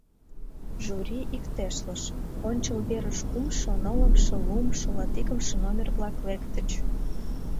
Жюри иктешлыш: ончыл верыш кумшо, нылымше, луымшо, латикымше номер-влак лектыч.